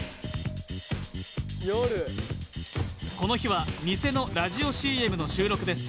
この日はニセのラジオＣＭの収録です